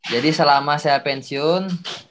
jadi selama saya pensiun